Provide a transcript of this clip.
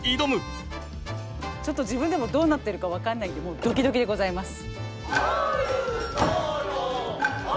ちょっと自分でもどうなってるか分かんないんでもうドキドキでございます。